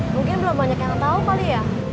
mungkin belum banyak yang tahu kali ya